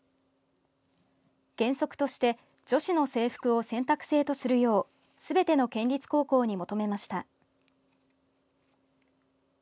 原則として女子の制服を選択制とするようすべての県立高校に求めました。